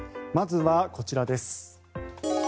まずはこちらです。